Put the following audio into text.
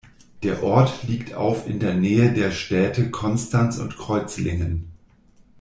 Der Ort liegt auf in der Nähe der Städte Konstanz und Kreuzlingen.